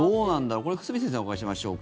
これは久住先生にお伺いしましょうか。